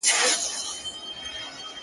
تاته رسیږي له خپله لاسه -